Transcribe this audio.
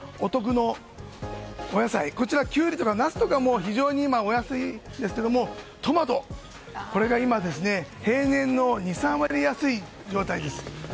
なお野菜こちら、キュウリとかナスとかも非常にお安いんですけどトマト、これが今平年の２３割安い状態です。